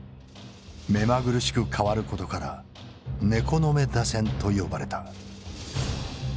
目まぐるしく変わることから猫の目打線と呼ばれた。